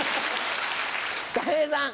たい平さん。